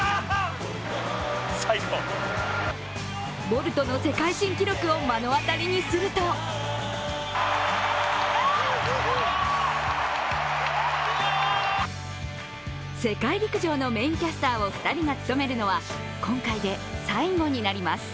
ボルトの世界新記録を目の当たりにすると世界陸上のメインキャスターを２人が務めるのは今回で最後になります。